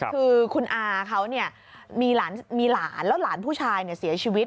คือคุณอาเขามีหลานแล้วหลานผู้ชายเสียชีวิต